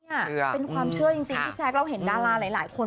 เป็นความเชื่อจริงพี่แจ๊คเราเห็นดาราหลายคน